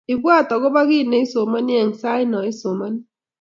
Ibwat akoba kiy neisomani eng sait neisomani